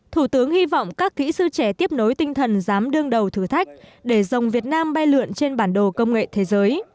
thủ tướng hy vọng các kỹ sư trẻ tiếp nối tinh thần dám đương đầu thử thách để dòng việt nam bay lượn trên bản đồ công nghệ thế giới